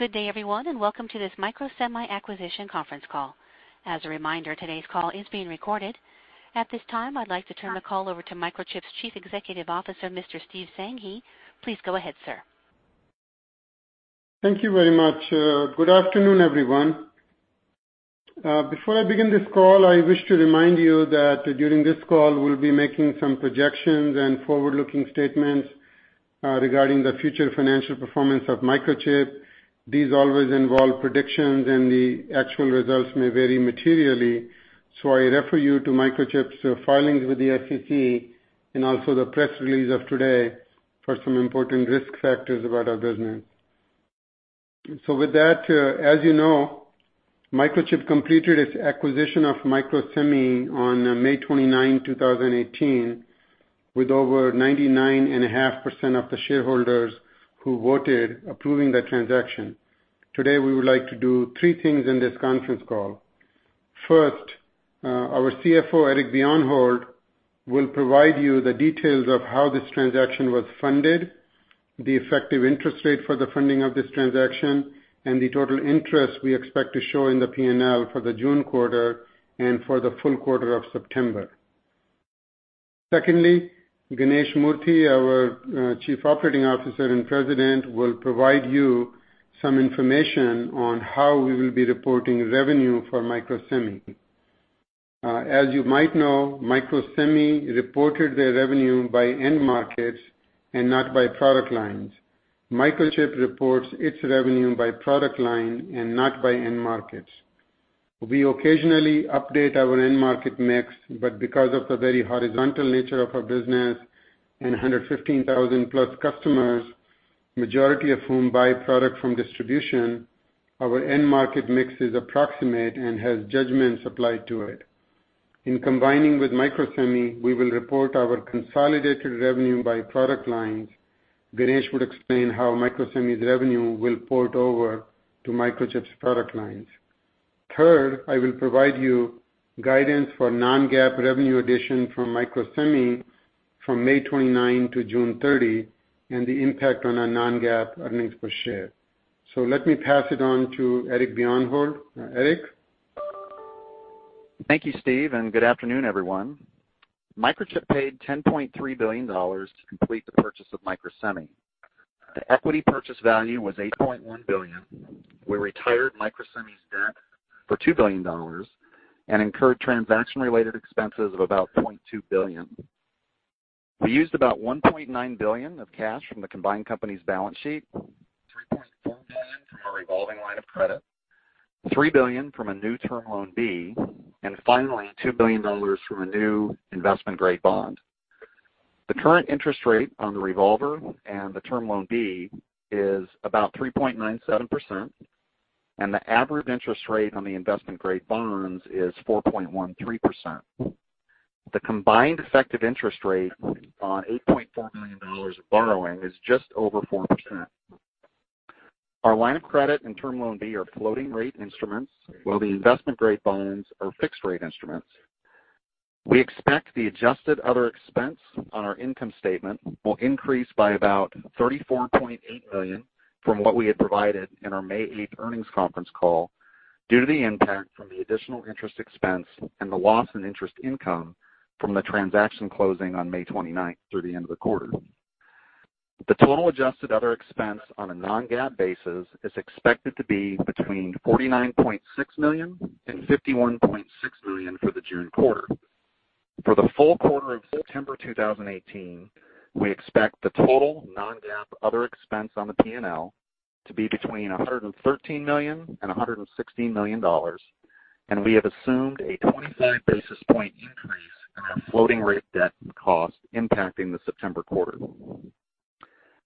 Good day everyone, and welcome to this Microsemi acquisition conference call. As a reminder, today's call is being recorded. At this time, I'd like to turn the call over to Microchip's Chief Executive Officer, Mr. Steve Sanghi. Please go ahead, sir. Thank you very much. Good afternoon, everyone. Before I begin this call, I wish to remind you that during this call, we'll be making some projections and forward-looking statements regarding the future financial performance of Microchip. These always involve predictions, and the actual results may vary materially. I refer you to Microchip's filings with the SEC and also the press release of today for some important risk factors about our business. With that, as you know, Microchip completed its acquisition of Microsemi on May 29, 2018, with over 99.5% of the shareholders who voted approving the transaction. Today, we would like to do three things in this conference call. First, our CFO, Eric Bjornholt, will provide you the details of how this transaction was funded, the effective interest rate for the funding of this transaction, and the total interest we expect to show in the P&L for the June quarter and for the full quarter of September. Secondly, Ganesh Moorthy, our Chief Operating Officer and President, will provide you some information on how we will be reporting revenue for Microsemi. As you might know, Microsemi reported their revenue by end markets and not by product lines. Microchip reports its revenue by product line and not by end markets. We occasionally update our end market mix, but because of the very horizontal nature of our business and 115,000-plus customers, majority of whom buy product from distribution, our end market mix is approximate and has judgments applied to it. In combining with Microsemi, we will report our consolidated revenue by product lines. Ganesh will explain how Microsemi's revenue will port over to Microchip's product lines. Third, I will provide you guidance for non-GAAP revenue addition from Microsemi from May 29 to June 30, and the impact on our non-GAAP earnings per share. Let me pass it on to Eric Bjornholt. Eric? Thank you, Steve, and good afternoon, everyone. Microchip paid $10.3 billion to complete the purchase of Microsemi. The equity purchase value was $8.1 billion. We retired Microsemi's debt for $2 billion and incurred transaction-related expenses of about $0.2 billion. We used about $1.9 billion of cash from the combined company's balance sheet, $3.4 billion from our revolving line of credit, $3 billion from a new Term Loan B, and finally, $2 billion from a new investment-grade bond. The current interest rate on the revolver and the Term Loan B is about 3.97%, and the average interest rate on the investment-grade bonds is 4.13%. The combined effective interest rate on $8.4 billion of borrowing is just over 4%. Our line of credit and Term Loan B are floating rate instruments, while the investment-grade bonds are fixed rate instruments. We expect the adjusted other expense on our income statement will increase by about $34.8 million from what we had provided in our May 8th earnings conference call due to the impact from the additional interest expense and the loss in interest income from the transaction closing on May 29th through the end of the quarter. The total adjusted other expense on a non-GAAP basis is expected to be between $49.6 million and $51.6 million for the June quarter. For the full quarter of September 2018, we expect the total non-GAAP other expense on the P&L to be between $113 million and $116 million, and we have assumed a 25 basis point increase in our floating rate debt cost impacting the September quarter.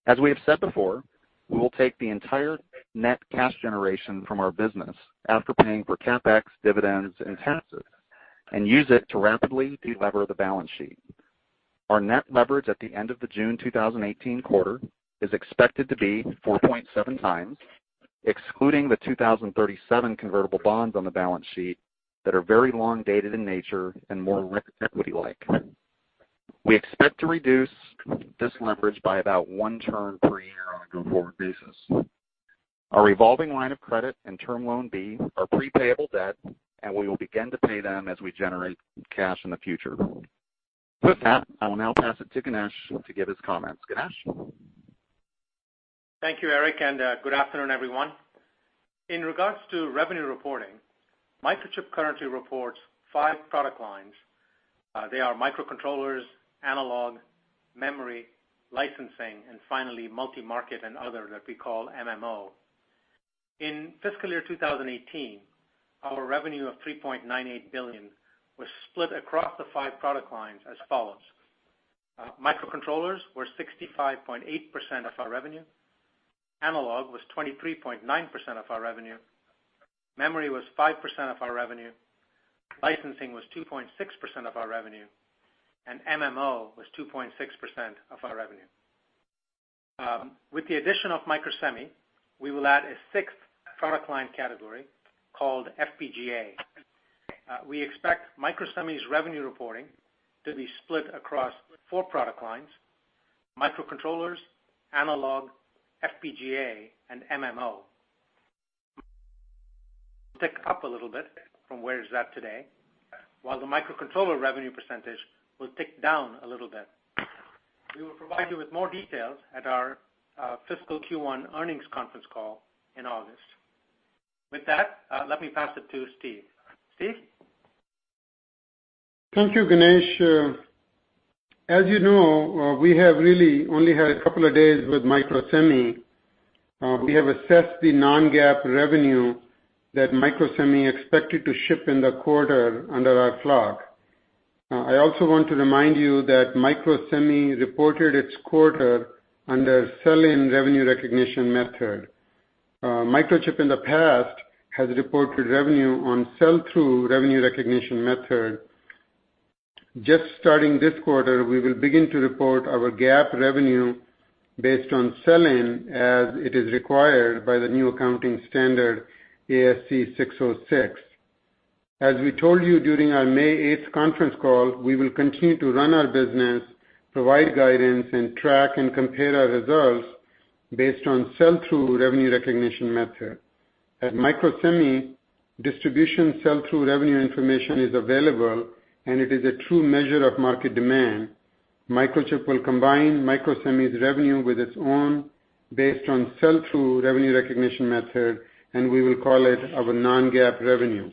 As we have said before, we will take the entire net cash generation from our business after paying for CapEx, dividends, and taxes, and use it to rapidly delever the balance sheet. Our net leverage at the end of the June 2018 quarter is expected to be 4.7 times, excluding the 2037 convertible bonds on the balance sheet that are very long dated in nature and more equity-like. We expect to reduce this leverage by about one turn per year on a go-forward basis. Our revolving line of credit and Term Loan B are pre-payable debt, and we will begin to pay them as we generate cash in the future. With that, I will now pass it to Ganesh to give his comments. Ganesh? Thank you, Eric, and good afternoon, everyone. In regards to revenue reporting, Microchip currently reports five product lines. They are microcontrollers, analog, memory, licensing, and finally, multi-market and other that we call MMO. In fiscal year 2018, our revenue of $3.98 billion was split across the five product lines as follows. Microcontrollers were 65.8% of our revenue, analog was 23.9% of our revenue, memory was 5% of our revenue, licensing was 2.6% of our revenue, and MMO was 2.6% of our revenue. With the addition of Microsemi, we will add a sixth product line category called FPGA We expect Microsemi's revenue reporting to be split across four product lines, microcontrollers, analog, FPGA, and MMO, ticking up a little bit from where it's at today, while the microcontroller revenue percentage will tick down a little bit. We will provide you with more details at our fiscal Q1 earnings conference call in August. With that, let me pass it to Steve. Steve? Thank you, Ganesh. As you know, we have really only had a couple of days with Microsemi. We have assessed the non-GAAP revenue that Microsemi expected to ship in the quarter under our clock. I also want to remind you that Microsemi reported its quarter under sell-in revenue recognition method. Microchip in the past has reported revenue on sell-through revenue recognition method. Just starting this quarter, we will begin to report our GAAP revenue based on sell-in, as it is required by the new accounting standard ASC 606. As we told you during our May 8th conference call, we will continue to run our business, provide guidance, and track and compare our results based on sell-through revenue recognition method. At Microsemi, distribution sell-through revenue information is available, and it is a true measure of market demand. Microchip will combine Microsemi's revenue with its own based on sell-through revenue recognition method, and we will call it our non-GAAP revenue.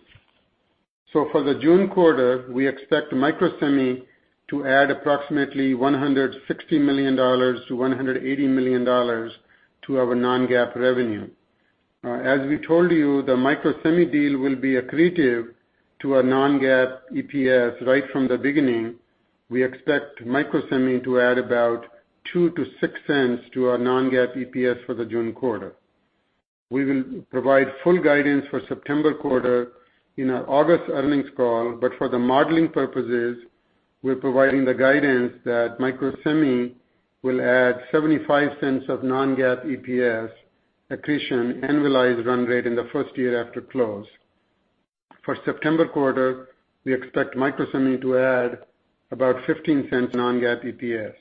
For the June quarter, we expect Microsemi to add approximately $160 million-$180 million to our non-GAAP revenue. As we told you, the Microsemi deal will be accretive to our non-GAAP EPS right from the beginning. We expect Microsemi to add about $0.02-$0.06 to our non-GAAP EPS for the June quarter. We will provide full guidance for September quarter in our August earnings call, but for the modeling purposes, we're providing the guidance that Microsemi will add $0.75 of non-GAAP EPS accretion annualized run rate in the first year after close. For September quarter, we expect Microsemi to add about $0.15 non-GAAP EPS.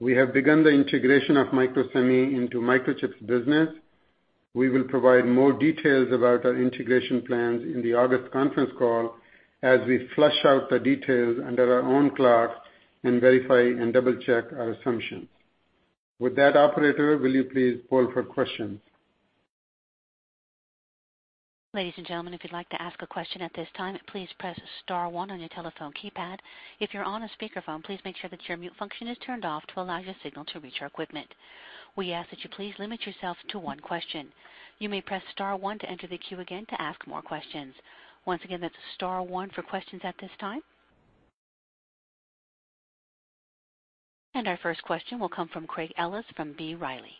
We have begun the integration of Microsemi into Microchip's business. We will provide more details about our integration plans in the August conference call as we flush out the details under our own clock and verify and double-check our assumptions. With that, operator, will you please poll for questions? Ladies and gentlemen, if you'd like to ask a question at this time, please press *1 on your telephone keypad. If you're on a speakerphone, please make sure that your mute function is turned off to allow your signal to reach our equipment. We ask that you please limit yourself to one question. You may press *1 to enter the queue again to ask more questions. Once again, that's *1 for questions at this time. Our first question will come from Craig Ellis from B. Riley.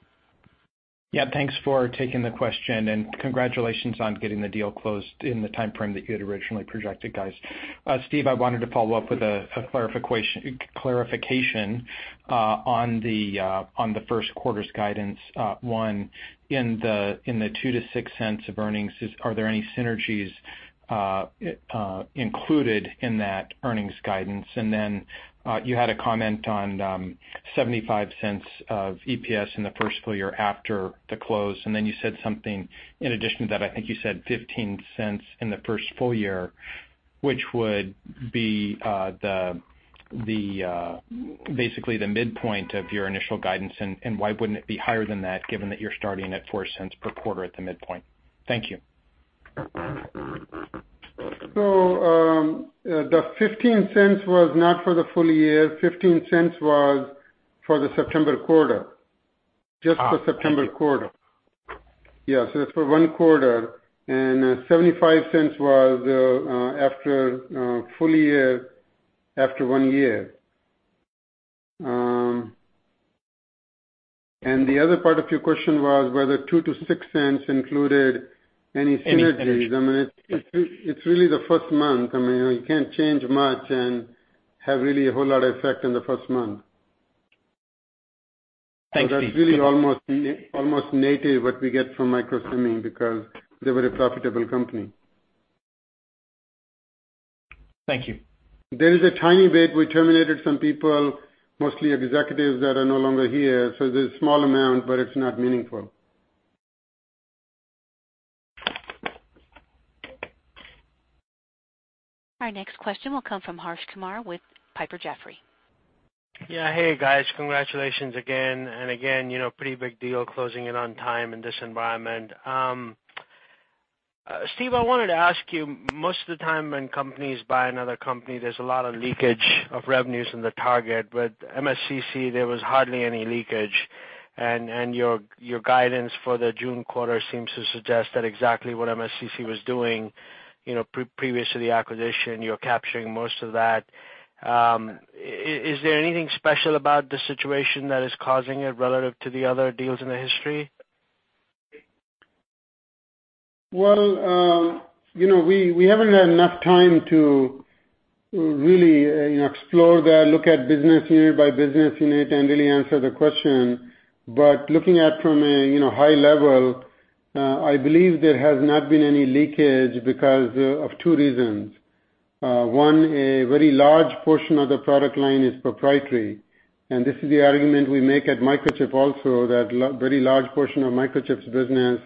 Yeah. Thanks for taking the question, and congratulations on getting the deal closed in the timeframe that you had originally projected, guys. Steve, I wanted to follow up with a clarification on the first quarter's guidance. One, in the $0.02-$0.06 of earnings, are there any synergies included in that earnings guidance? You had a comment on $0.75 of EPS in the first full year after the close, and then you said something in addition to that. I think you said $0.15 in the first full year, which would be basically the midpoint of your initial guidance, and why wouldn't it be higher than that, given that you're starting at $0.04 per quarter at the midpoint? Thank you. The $0.15 was not for the full year. $0.15 was for the September quarter. Okay. Just the September quarter. Yeah, that's for one quarter. $0.75 was after one year. The other part of your question was whether $0.02-$0.06 included any synergies. Any synergies. It's really the first month. You can't change much and have really a whole lot of effect in the first month. Thanks, Steve. That's really almost native what we get from Microsemi because they were a profitable company. Thank you. There is a tiny bit. We terminated some people, mostly executives that are no longer here. There's a small amount, but it's not meaningful. Our next question will come from Harsh Kumar with Piper Sandler. Yeah. Hey, guys. Congratulations again. Again, pretty big deal closing it on time in this environment. Steve, I wanted to ask you, most of the time when companies buy another company, there's a lot of leakage of revenues in the target. With MSCC, there was hardly any leakage, and your guidance for the June quarter seems to suggest that exactly what MSCC was doing previous to the acquisition, you're capturing most of that. Is there anything special about the situation that is causing it relative to the other deals in the history? Well, we haven't had enough time to really explore that, look at business unit by business unit and really answer the question. Looking at from a high level, I believe there has not been any leakage because of two reasons. One, a very large portion of the product line is proprietary, and this is the argument we make at Microchip also, that very large portion of Microchip's business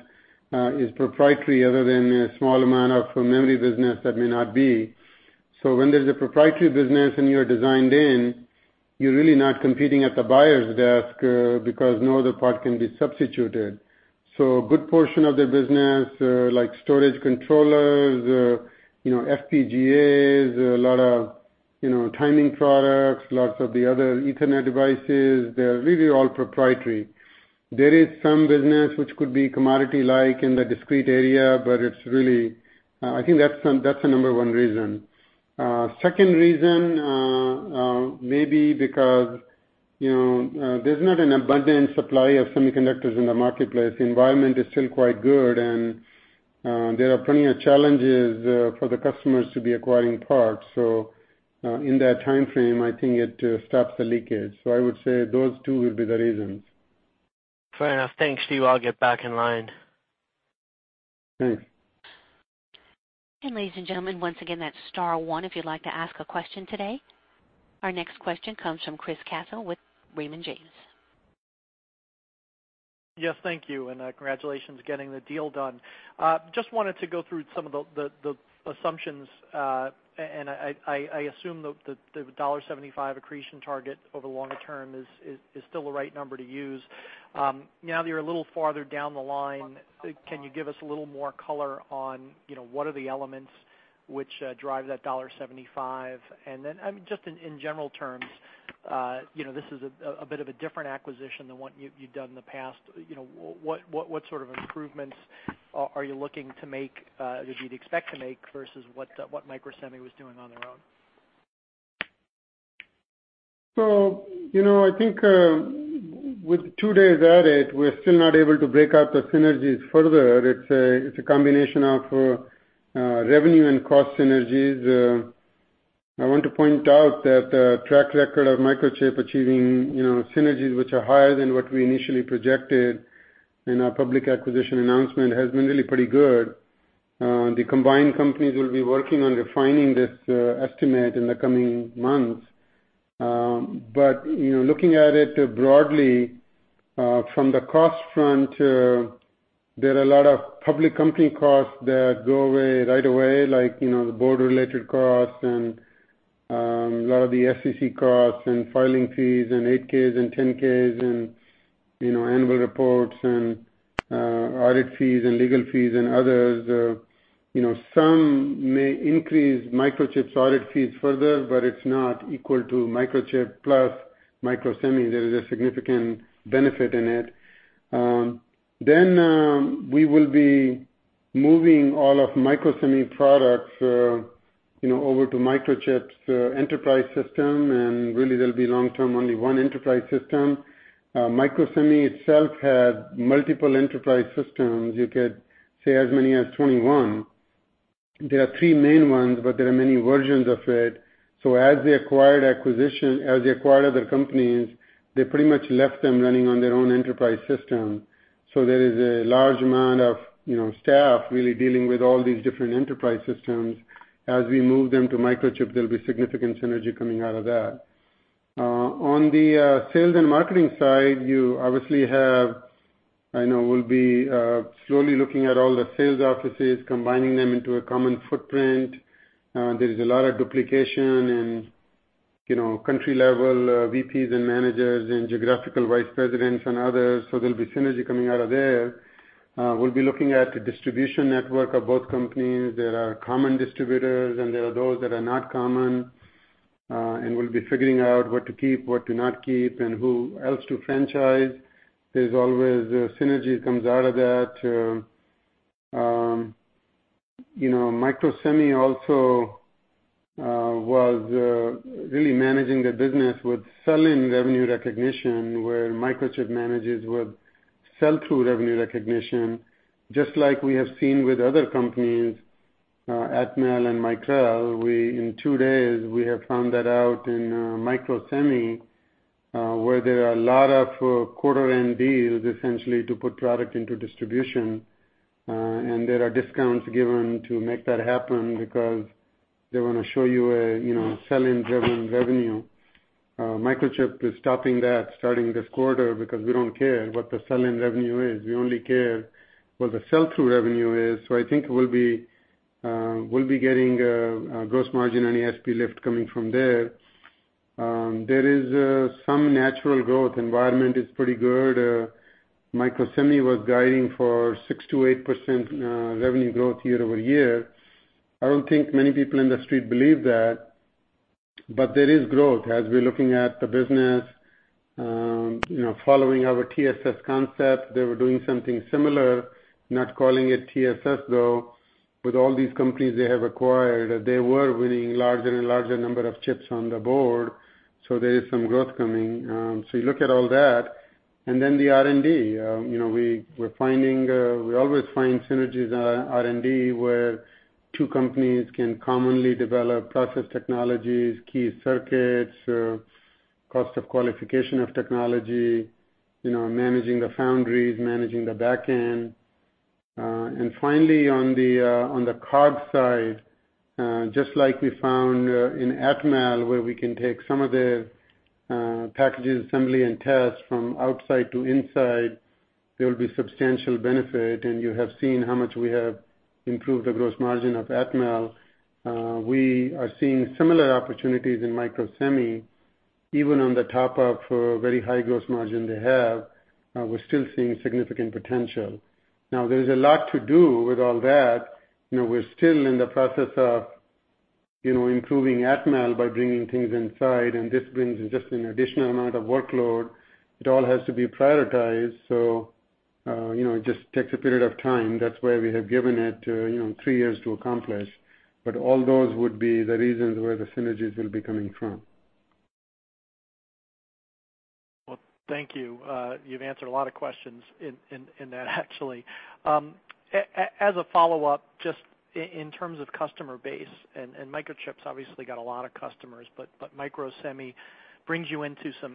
is proprietary other than a small amount from memory business that may not be. When there's a proprietary business and you're designed in, you're really not competing at the buyer's desk because no other part can be substituted. A good portion of their business, like storage controllers, FPGAs, a lot of timing products, lots of the other Ethernet devices, they're really all proprietary. There is some business which could be commodity-like in the discrete area, I think that's the number 1 reason. Second reason, maybe because there's not an abundant supply of semiconductors in the marketplace. The environment is still quite good, and there are plenty of challenges for the customers to be acquiring parts. In that timeframe, I think it stops the leakage. I would say those two would be the reasons. Fair enough. Thanks, Steve. I'll get back in line. Thanks. Ladies and gentlemen, once again, that's star one if you'd like to ask a question today. Our next question comes from Chris Caso with Raymond James. Yes, thank you, congratulations getting the deal done. Just wanted to go through some of the assumptions, I assume the $1.75 accretion target over the longer term is still the right number to use. Now that you're a little farther down the line, can you give us a little more color on what are the elements which drive that $1.75? Just in general terms, this is a bit of a different acquisition than what you've done in the past. What sort of improvements are you looking to make, that you'd expect to make, versus what Microsemi was doing on their own? I think with two days at it, we're still not able to break out the synergies further. It's a combination of revenue and cost synergies. I want to point out that the track record of Microchip achieving synergies which are higher than what we initially projected in our public acquisition announcement has been really pretty good. The combined companies will be working on refining this estimate in the coming months. Looking at it broadly, from the cost front, there are a lot of public company costs that go away right away, like the board-related costs and a lot of the SEC costs and filing fees and 8-Ks and 10-Ks and annual reports and audit fees and legal fees and others. Some may increase Microchip's audit fees further, but it's not equal to Microchip plus Microsemi. There is a significant benefit in it. We will be moving all of Microsemi products over to Microchip's enterprise system, really there'll be long-term only one enterprise system. Microsemi itself had multiple enterprise systems. You could say as many as 21. There are three main ones, but there are many versions of it. As they acquired other companies, they pretty much left them running on their own enterprise system. There is a large amount of staff really dealing with all these different enterprise systems. As we move them to Microchip, there'll be significant synergy coming out of that. On the sales and marketing side, you obviously have, I know we'll be slowly looking at all the sales offices, combining them into a common footprint. There is a lot of duplication in country-level VPs and managers and geographical vice presidents and others, there'll be synergy coming out of there. We'll be looking at the distribution network of both companies. There are common distributors, and there are those that are not common. We'll be figuring out what to keep, what to not keep, and who else to franchise. There's always synergy comes out of that. Microsemi also was really managing their business with sell-in revenue recognition, where Microchip manages with sell-through revenue recognition. Just like we have seen with other companies, Atmel and Micrel, in 2 days, we have found that out in Microsemi, where there are a lot of quarter-end deals, essentially, to put product into distribution. There are discounts given to make that happen because they want to show you a sell-in revenue. Microchip is stopping that starting this quarter because we don't care what the sell-in revenue is. We only care what the sell-through revenue is. I think we'll be getting a gross margin and ASP lift coming from there. Environment is pretty good. Microsemi was guiding for 6%-8% revenue growth year-over-year. I don't think many people in the street believe that, but there is growth as we're looking at the business. Following our TSS concept, they were doing something similar, not calling it TSS, though. With all these companies they have acquired, they were winning larger and larger number of chips on the board. There is some growth coming. You look at all that. Then the R&D. We always find synergies on R&D where 2 companies can commonly develop process technologies, key circuits, cost of qualification of technology, managing the foundries, managing the back end. Finally, on the COG side, just like we found in Atmel, where we can take some of the packages, assembly and test from outside to inside, there will be substantial benefit, and you have seen how much we have improved the gross margin of Atmel. We are seeing similar opportunities in Microsemi. Even on the top of very high gross margin they have, we're still seeing significant potential. Now, there's a lot to do with all that. We're still in the process of improving Atmel by bringing things inside, and this brings just an additional amount of workload. It all has to be prioritized. It just takes a period of time. That's why we have given it 3 years to accomplish. All those would be the reasons where the synergies will be coming from. Well, thank you. You've answered a lot of questions in that actually. As a follow-up, just in terms of customer base, Microchip's obviously got a lot of customers, but Microsemi brings you into some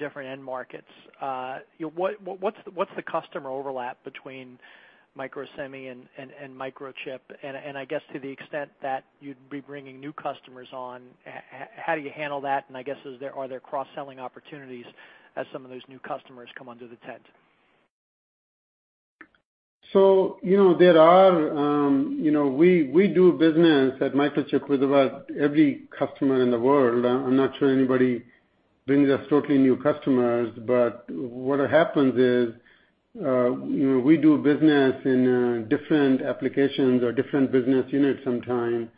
different end markets. What's the customer overlap between Microsemi and Microchip? I guess to the extent that you'd be bringing new customers on, how do you handle that? I guess, are there cross-selling opportunities as some of those new customers come under the tent? We do business at Microchip with about every customer in the world. I'm not sure anybody brings us totally new customers. What happens is, we do business in different applications or different business units sometime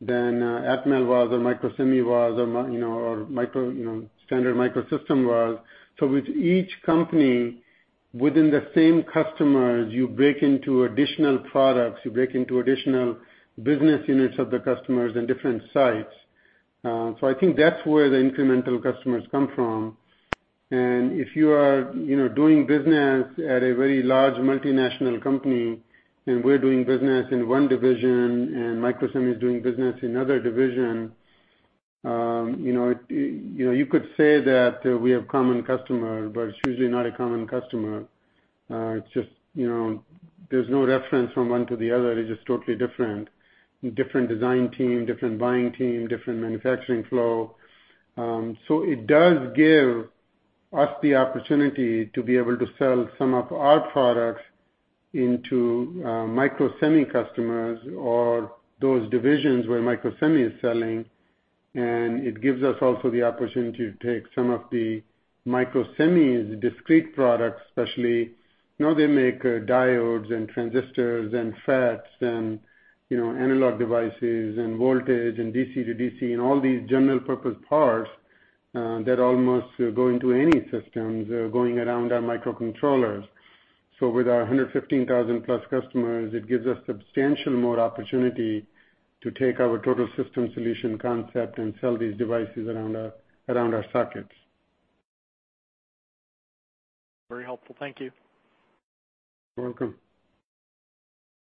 than Atmel was or Microsemi was or Standard Microsystems was. With each company, within the same customers, you break into additional products, you break into additional business units of the customers in different sites. I think that's where the incremental customers come from. If you are doing business at a very large multinational company, and we're doing business in one division, and Microsemi is doing business in other division, you could say that we have common customer, but it's usually not a common customer. There's no reference from one to the other. It's just totally different. Different design team, different buying team, different manufacturing flow. It does give us the opportunity to be able to sell some of our products into Microsemi customers or those divisions where Microsemi is selling, and it gives us also the opportunity to take some of the Microsemi's discrete products, especially, they make diodes and transistors and FETs and analog devices and voltage and DC-to-DC and all these general-purpose parts that almost go into any systems going around our microcontrollers. With our 115,000-plus customers, it gives us substantial more opportunity to take our total system solution concept and sell these devices around our sockets. Very helpful. Thank you. You're welcome.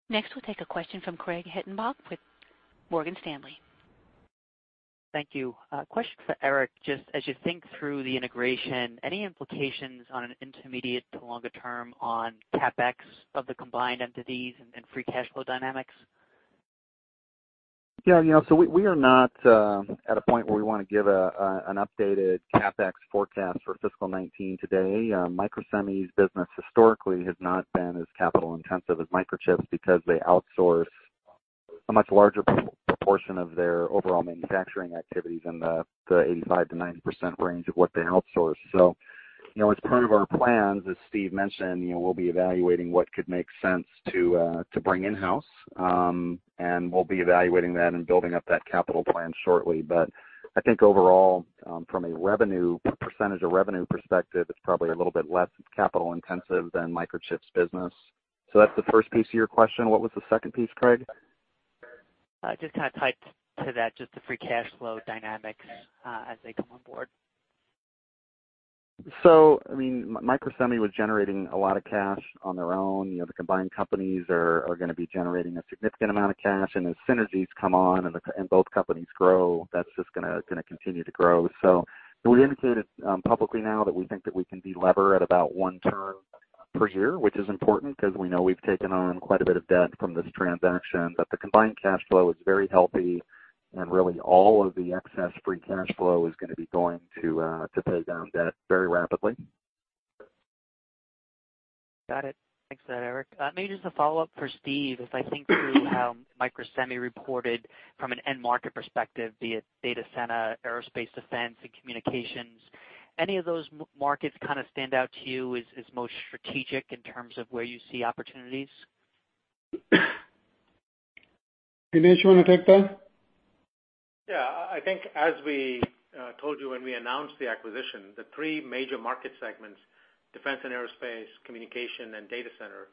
Next, we'll take a question from Craig Hettenbach with Morgan Stanley. Thank you. A question for Eric. Just as you think through the integration, any implications on an intermediate to longer term on CapEx of the combined entities and free cash flow dynamics? Yeah. We are not at a point where we want to give an updated CapEx forecast for fiscal 2019 today. Microsemi's business historically has not been as capital-intensive as Microchip's, because they outsource a much larger proportion of their overall manufacturing activities in the 85%-90% range of what they outsource. As part of our plans, as Steve mentioned, we'll be evaluating what could make sense to bring in-house, and we'll be evaluating that and building up that capital plan shortly. I think overall, from a percentage of revenue perspective, it's probably a little bit less capital-intensive than Microchip's business. That's the first piece of your question. What was the second piece, Craig? Just kind of tied to that, just the free cash flow dynamics as they come on board. Microsemi was generating a lot of cash on their own. The combined companies are going to be generating a significant amount of cash, and as synergies come on and both companies grow, that's just going to continue to grow. We indicated publicly now that we think that we can delever at about one turn per year, which is important, because we know we've taken on quite a bit of debt from this transaction. The combined cash flow is very healthy, and really all of the excess free cash flow is going to be going to pay down debt very rapidly. Got it. Thanks for that, Eric. Maybe just a follow-up for Steve. As I think through how Microsemi reported from an end market perspective, be it data center, aerospace, defense, and communications, any of those markets kind of stand out to you as most strategic in terms of where you see opportunities? Ganesh, you want to take that? Yeah. I think as we told you when we announced the acquisition, the three major market segments, defense and aerospace, communication, and data center,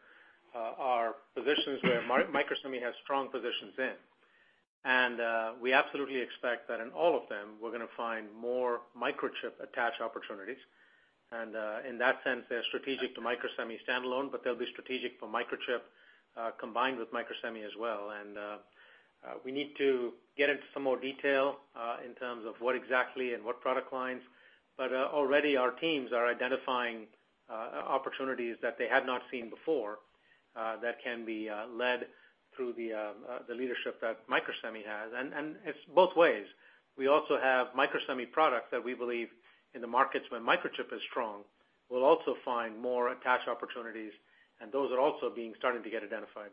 are positions where Microsemi has strong positions in. We absolutely expect that in all of them, we're going to find more Microchip attach opportunities. In that sense, they're strategic to Microsemi standalone, but they'll be strategic for Microchip combined with Microsemi as well. We need to get into some more detail in terms of what exactly and what product lines. Already our teams are identifying opportunities that they had not seen before that can be led through the leadership that Microsemi has. It's both ways. We also have Microsemi products that we believe in the markets where Microchip is strong, we'll also find more attach opportunities, and those are also being starting to get identified.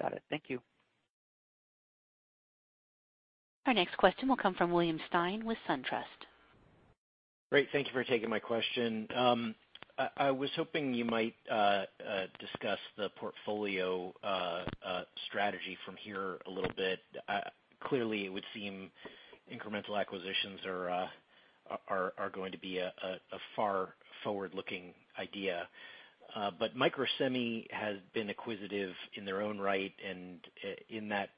Got it. Thank you. Our next question will come from William Stein with SunTrust. Great. Thank you for taking my question. I was hoping you might discuss the portfolio strategy from here a little bit. Clearly, it would seem incremental acquisitions are going to be a far forward-looking idea. Microsemi has been acquisitive in their own right, and in that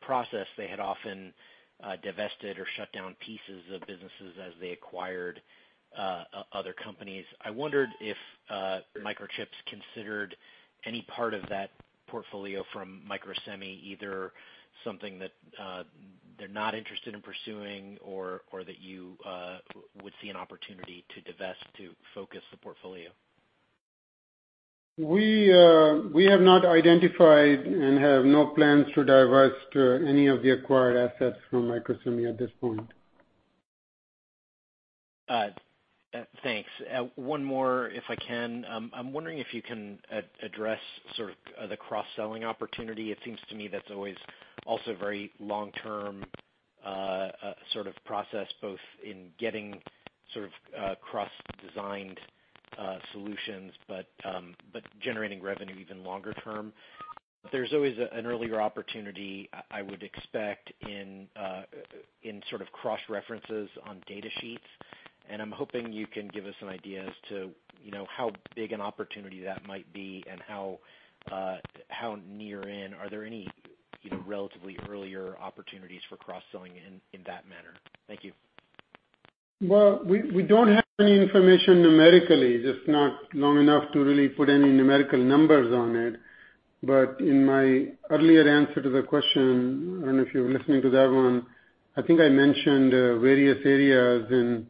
process, they had often divested or shut down pieces of businesses as they acquired other companies. I wondered if Microchip's considered any part of that portfolio from Microsemi, either something that they're not interested in pursuing or that you would see an opportunity to divest to focus the portfolio. We have not identified and have no plans to divest any of the acquired assets from Microsemi at this point. Thanks. One more, if I can. I'm wondering if you can address sort of the cross-selling opportunity. It seems to me that's always also very long-term sort of process, both in getting sort of cross-designed solutions, but generating revenue even longer term. There's always an earlier opportunity, I would expect, in sort of cross-references on data sheets, and I'm hoping you can give us an idea as to how big an opportunity that might be and how near in. Are there any relatively earlier opportunities for cross-selling in that manner? Thank you. Well, we don't have any information numerically. Just not long enough to really put any numerical numbers on it. In my earlier answer to the question, I don't know if you were listening to that one, I think I mentioned various areas in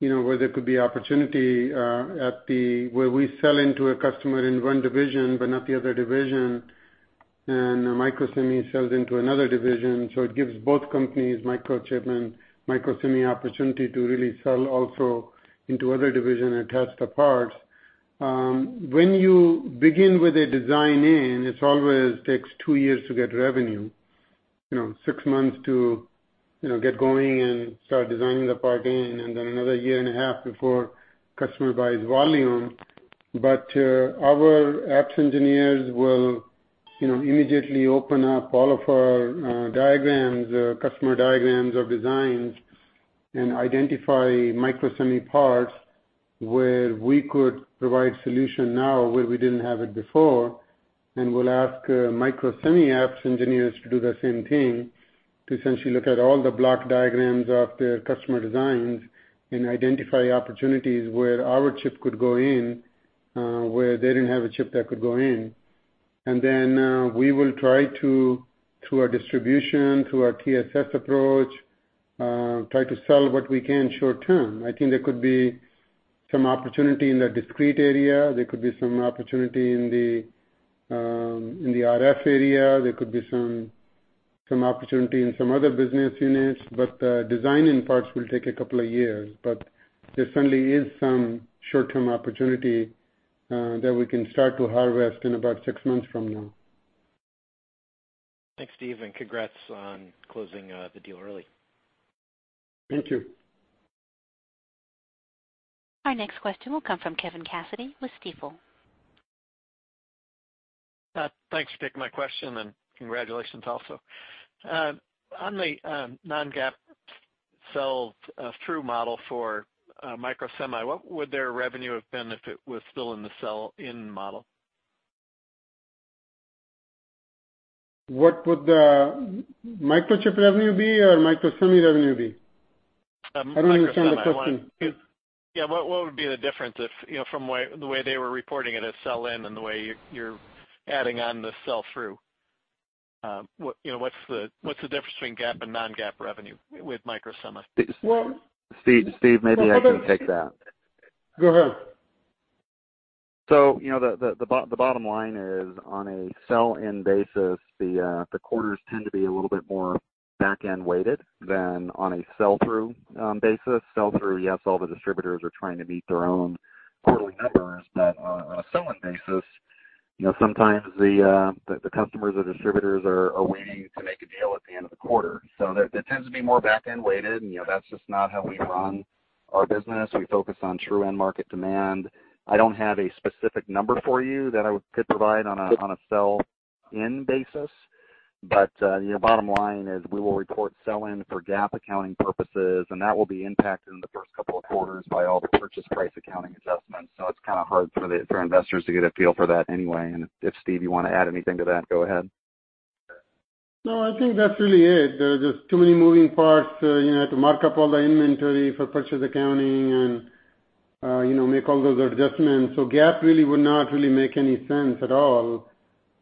where there could be opportunity, where we sell into a customer in one division but not the other division, and Microsemi sells into another division. It gives both companies, Microchip and Microsemi, opportunity to really sell also into other division attached parts. When you begin with a design in, it always takes two years to get revenue. Six months to get going and start designing the part in, and then another year and a half before customer buys volume. Our apps engineers will immediately open up all of our diagrams, customer diagrams or designs, and identify Microsemi parts where we could provide solution now where we didn't have it before, and we'll ask Microsemi apps engineers to do the same thing, to essentially look at all the block diagrams of their customer designs and identify opportunities where our chip could go in, where they didn't have a chip that could go in. We will try to, through our distribution, through our TSS approach, try to sell what we can short term. I think there could be some opportunity in the discrete area. There could be some opportunity in the RF area. There could be some opportunity in some other business units, but the design-in parts will take a couple of years. There certainly is some short-term opportunity that we can start to harvest in about six months from now. Thanks, Steve, congrats on closing the deal early. Thank you. Our next question will come from Kevin Cassidy with Stifel. Thanks for taking my question and congratulations also. On the non-GAAP sell-through model for Microsemi, what would their revenue have been if it was still in the sell-in model? What would the Microchip revenue be or Microsemi revenue be? I don't understand the question. Microsemi one. Yeah, what would be the difference from the way they were reporting it as sell-in and the way you're adding on the sell-through? What's the difference between GAAP and non-GAAP revenue with Microsemi? Well- Steve, maybe I can take that. Go ahead. The bottom line is, on a sell-in basis, the quarters tend to be a little bit more back-end weighted than on a sell-through basis. Sell-through, yes, all the distributors are trying to meet their own quarterly numbers. On a sell-in basis, sometimes the customers or distributors are waiting to make a deal at the end of the quarter. That tends to be more back-end weighted, and that's just not how we run our business. We focus on true end market demand. I don't have a specific number for you that I could provide on a sell-in basis. The bottom line is we will report sell-in for GAAP accounting purposes, and that will be impacted in the first couple of quarters by all the purchase price accounting adjustments. It's kind of hard for investors to get a feel for that anyway. If, Steve, you want to add anything to that, go ahead. No, I think that's really it. There are just too many moving parts to mark up all the inventory for purchase accounting and make all those adjustments. GAAP really would not really make any sense at all.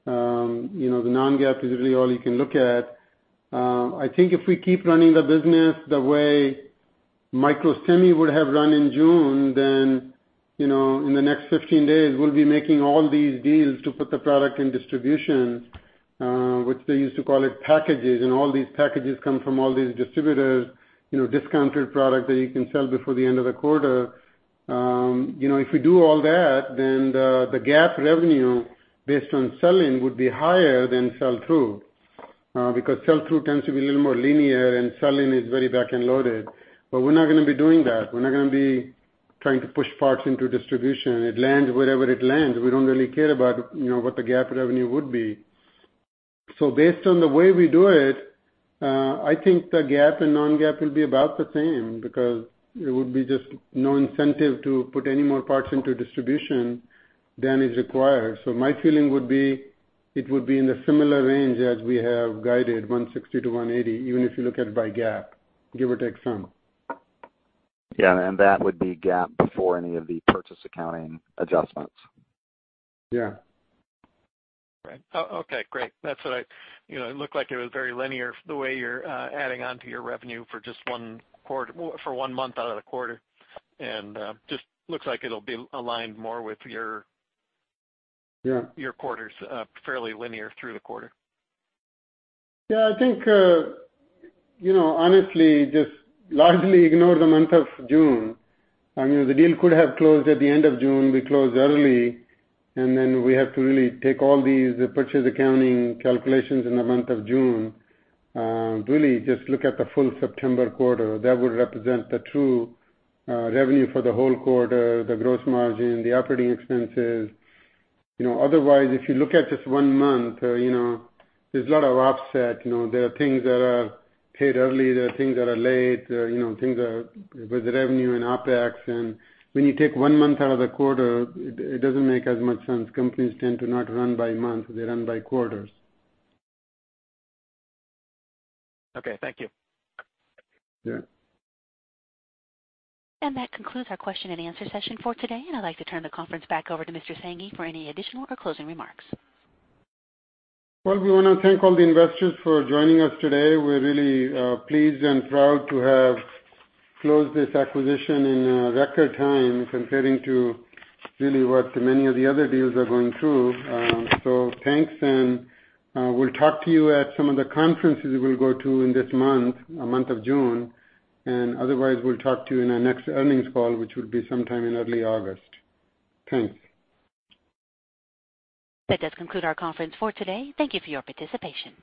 The non-GAAP is really all you can look at. I think if we keep running the business the way Microsemi would have run in June, then in the next 15 days, we'll be making all these deals to put the product in distribution, which they used to call it packages. All these packages come from all these distributors, discounted product that you can sell before the end of the quarter. If we do all that, then the GAAP revenue based on sell-in would be higher than sell-through. Sell-through tends to be a little more linear and sell-in is very back-end loaded. We're not going to be doing that. We're not going to be trying to push parts into distribution. It lands wherever it lands. We don't really care about what the GAAP revenue would be. Based on the way we do it, I think the GAAP and non-GAAP will be about the same, because there would be just no incentive to put any more parts into distribution than is required. My feeling would be, it would be in the similar range as we have guided $160-$180, even if you look at it by GAAP, give or take some. Yeah. That would be GAAP before any of the purchase accounting adjustments. Yeah. Right. Okay, great. It looked like it was very linear the way you're adding on to your revenue for one month out of the quarter. Just looks like it'll be aligned more with- Yeah your quarters, fairly linear through the quarter. Yeah, I think, honestly, just largely ignore the month of June. I mean, the deal could have closed at the end of June. We closed early, then we have to really take all these purchase accounting calculations in the month of June. Really just look at the full September quarter. That would represent the true revenue for the whole quarter, the gross margin, the operating expenses. Otherwise, if you look at just one month, there's a lot of offset. There are things that are paid early, there are things that are late, things are with revenue and OpEx. When you take one month out of the quarter, it doesn't make as much sense. Companies tend to not run by month. They run by quarters. Okay. Thank you. Yeah. That concludes our question and answer session for today. I'd like to turn the conference back over to Mr. Sanghi for any additional or closing remarks. Well, we want to thank all the investors for joining us today. We're really pleased and proud to have closed this acquisition in record time comparing to really what many of the other deals are going through. Thanks, we'll talk to you at some of the conferences we'll go to in this month, the month of June. Otherwise, we'll talk to you in our next earnings call, which will be sometime in early August. Thanks. That does conclude our conference for today. Thank you for your participation.